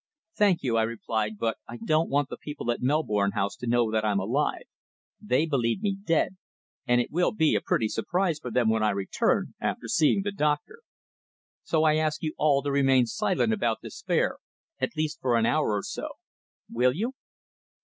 "Thank you," I replied. "But I don't want the people at Melbourne House to know that I'm alive. They believe me dead, and it will be a pretty surprise for them when I return, after seeing the doctor. So I ask you all to remain silent about this affair at least for an hour or so. Will you?"